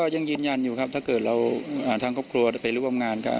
ยังยืนยันอยู่ครับถ้าเกิดเราทางครอบครัวไปร่วมงานกับ